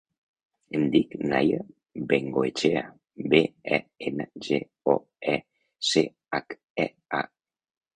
Em dic Naia Bengoechea: be, e, ena, ge, o, e, ce, hac, e, a.